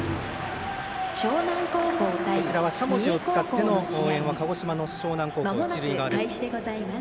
しゃもじを使っての応援は鹿児島の樟南高校、一塁側です。